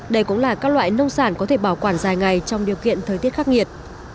đây cũng là các loại nông sản có thể bảo quản dài ngày trong điều kiện thời tiết khắc nghiệt